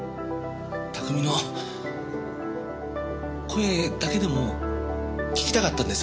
拓海の声だけでも聞きたかったんです！